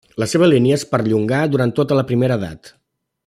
La seva línia es perllongà durant tota la Primera Edat.